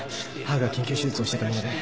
母が緊急手術をしてたもので。